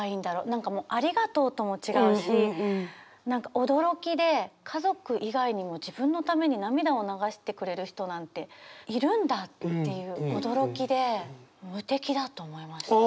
何かもうありがとうとも違うし何か驚きで家族以外にも自分のために涙を流してくれる人なんているんだっていう驚きで無敵だと思いました。